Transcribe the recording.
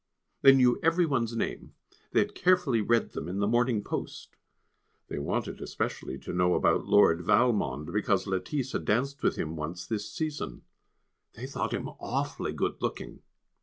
They knew every one's name, they had carefully read them in the Morning Post. They wanted especially to know about Lord Valmond because Lettice had danced with him once this season. They thought him awfully good looking.